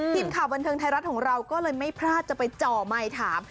ทีมข่าวบันเทิงไทยรัฐของเราก็เลยไม่พลาดจะไปจ่อไมค์ถาม